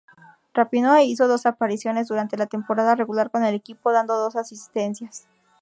Rapinoe hizo dos apariciones durante la temporada regular con el equipo, dando dos asistencias.